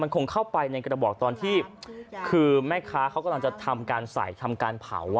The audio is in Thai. คงเข้าไปในกระบอกตอนที่คือแม่ค้าเขากำลังจะทำการใส่ทำการเผา